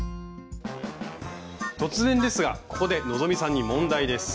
突然ですがここで希さんに問題です。